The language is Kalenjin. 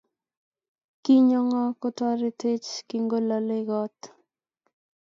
Kinyo ng'o kotoretech kikolale kot